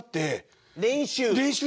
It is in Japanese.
練習？